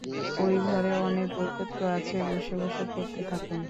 ঐ ঘরে অনেক বইপত্র আছে, বসে-বসে পড়তে থাকুন।